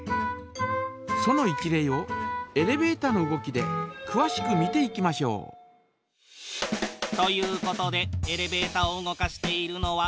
その一例をエレベータの動きでくわしく見ていきましょう。ということでエレベータを動かしているのは。